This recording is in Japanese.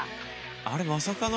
あれ、まさかの？